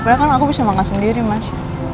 padahal kan aku bisa makan sendiri mas